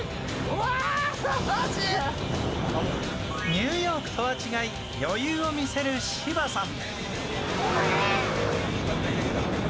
ニューヨークとは違い余裕を見せる芝さん。